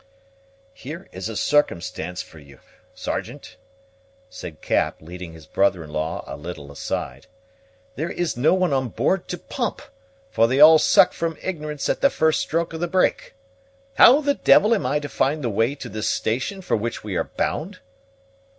"Here is a circumstance for you, Sergeant," said Cap, leading his brother in law a little aside; "there is no one on board to pump, for they all suck from ignorance at the first stroke of the brake. How the devil am I to find the way to this station for which we are bound?"